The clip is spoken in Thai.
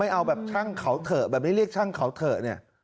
เอาแบบช่างเขาเถอะแบบนี้เรียกช่างเขาเถอะเนี่ย